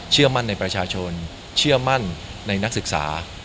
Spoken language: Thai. เชื่อมั่นในประชาชนเชื่อมั่นในนักศึกษา